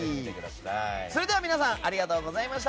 それでは皆さんありがとうございました。